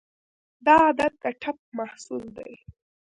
دا عادت د ټپ محصول دی.